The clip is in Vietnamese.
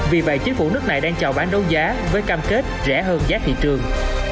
vì vậy chính phủ nước này đang chào bán đấu giá với cam kết rẻ hơn giá thị trường